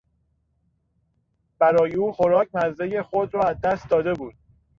برای او خوراک مزهی خود را از دست داده بود.